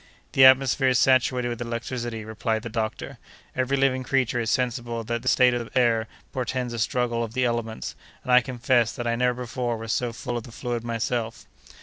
"The atmosphere is saturated with electricity," replied the doctor; "every living creature is sensible that this state of the air portends a struggle of the elements, and I confess that I never before was so full of the fluid myself."